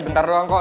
bentar doang kok